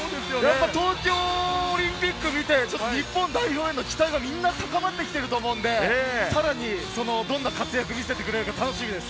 東京オリンピックを見て、日本代表への期待がみんな高まってきていると思うのでさらに、そのどんな活躍を見せてくれるのか、楽しみです。